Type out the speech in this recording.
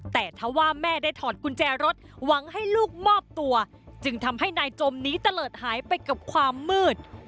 แต่ถ้าว่าแม่ได้ถอดกุญแจรถหวังให้ลูกมอบตัวจึงทำให้นายจมนี้เตลิศหายไปกับความมืด